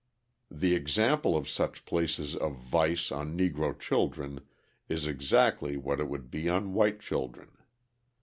The example of such places of vice on Negro children is exactly what it would be on white children.